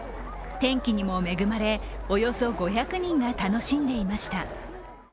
天気にも恵まれ、およそ５００人が楽しんでいました。